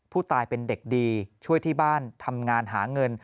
ผู้ตายเป็นเด็กดีช่วยที่บ้านทำงานหาเงิน